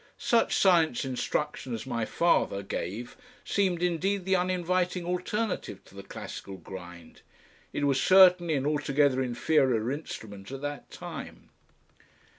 Such science instruction as my father gave seemed indeed the uninviting alternative to the classical grind. It was certainly an altogether inferior instrument at that time.